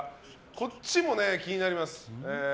こっちも気になります。